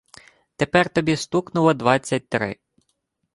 Тепер тобі стукнуло двадцять три